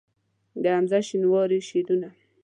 د حمزه شینواري شعرونه